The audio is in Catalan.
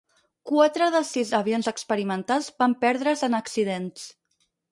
Quatre dels sis avions experimentals van perdre's en accidents.